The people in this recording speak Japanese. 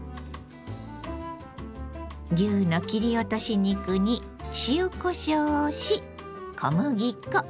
牛の切り落とし肉に塩こしょうをし小麦粉。